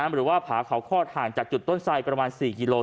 หรือว่าผาเขาคลอดห่างจากจุดต้นไสประมาณ๔กิโล